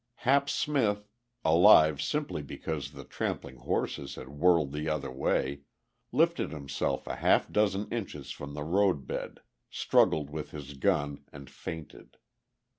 Hap Smith, alive simply because the trampling horses had whirled the other way, lifted himself a half dozen inches from the road bed, struggled with his gun and fainted....